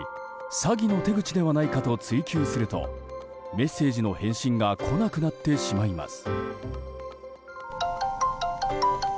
詐欺の手口ではないかと追及するとメッセージの返信が来なくなってしまいます。